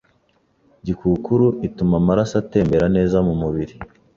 Gikukuru ituma amaraso atembera neza mu mubiri,